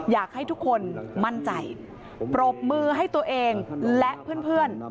อยากให้ทุกคนมั่นใจปรบมือให้ตัวเองและเพื่อน